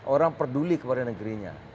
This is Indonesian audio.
orang peduli kepada negerinya